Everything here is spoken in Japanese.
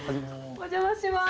お邪魔します。